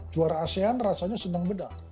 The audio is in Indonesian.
juara asean rasanya senang beda